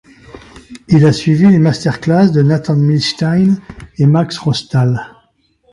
Il a suivi les masterclass de Nathan Milstein et Max Rostal.